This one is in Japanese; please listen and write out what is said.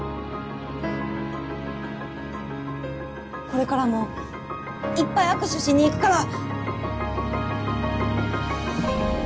これからもいっぱい握手しに行くから！